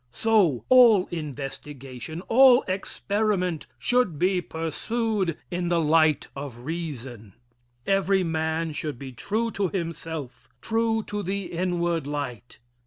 So, all investigation all experiment should be pursued in the light of reason. Every man should be true to himself true to the inward light.